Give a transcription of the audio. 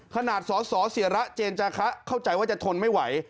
ขนาดสอสอเสียระเจนจากค่ะเข้าใจว่าจะทนไม่ไหว